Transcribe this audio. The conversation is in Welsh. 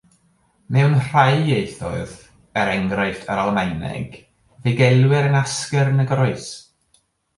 Mewn rhai ieithoedd, er enghraifft yr Almaeneg, fe'i gelwir yn asgwrn y groes.